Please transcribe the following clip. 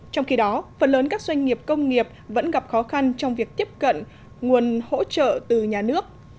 trong khi đó phần lớn các doanh nghiệp công nghiệp vẫn gặp khó khăn trong việc tiếp cận nguồn hỗ trợ từ nhà nước